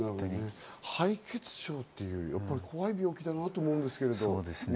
敗血症って怖い病気だなと思うんですけれど。